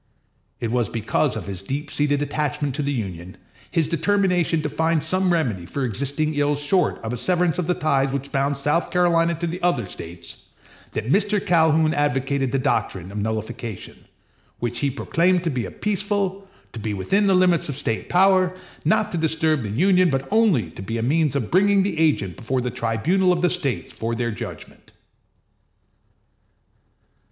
It was because of his deep seated attachment to the Union, his determination to find some remedy for existing ills short of a severance of the ties which bound South Carolina to the other States, that Mr. Calhoun advocated the doctrine of nullification, which he proclaimed to be peaceful, to be within the limits of State power, not to disturb the Union, but only to be a means of bringing the agent before the tribunal of the States for their judgment.